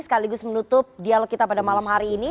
sekaligus menutup dialog kita pada malam hari ini